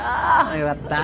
よかった。